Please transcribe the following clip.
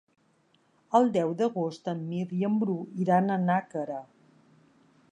El deu d'agost en Mirt i en Bru iran a Nàquera.